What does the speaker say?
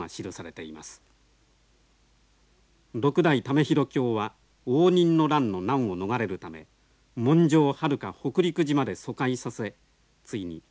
６代為廣卿は応仁の乱の難を逃れるため文書をはるか北陸路まで疎開させついに石川県で客死しています。